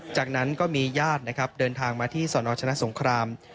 จากนั้นก็มีญาตินะครับเดินทางมาที่สนชนะสงคราม